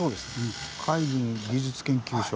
「海軍技術研究所」。